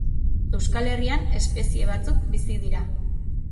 Euskal Herrian espezie batzuk bizi dira.